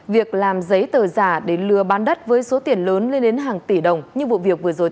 việc làm giấy tờ giả để lừa bán đất với số tiền lớn lên đến hàng tỷ đồng như vụ việc vừa rồi